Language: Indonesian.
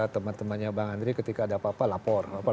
teman temannya bang andri ketika ada apa apa lapor